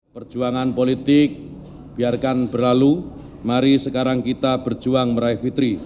perjuangan politik biarkan berlalu mari sekarang kita berjuang meraih fitri